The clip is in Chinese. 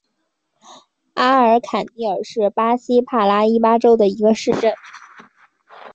阿尔坎蒂尔是巴西帕拉伊巴州的一个市镇。